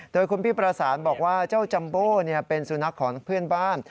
โดยคุณพี่ประสานบอกว่าเจ้าจัมโบเป็นสุนัขของเพื่อนบ้าน